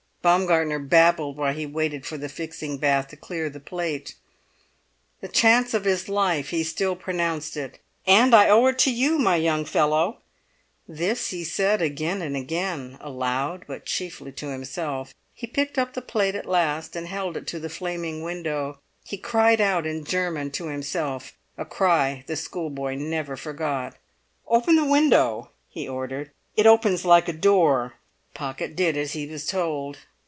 Baumgartner babbled while he waited for the fixing bath to clear the plate. The chance of his life, he still pronounced it. "And I owe it to you, my young fellow!" This he said again and again, aloud but chiefly to himself. He picked up the plate at last and held it to the flaming window. He cried out in German to himself, a cry the schoolboy never forgot. "Open the window!" he ordered. "It opens like a door." Pocket did as he was told.